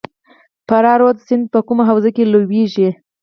فرا رود سیند په کومه حوزه کې لویږي؟